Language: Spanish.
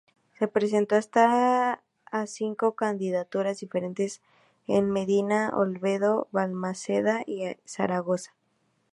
Se presentó hasta a cinco candidaturas diferentes en Medina-Olmedo, Valmaseda y Zaragoza.